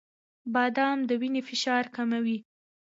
• بادام د وینې فشار کموي.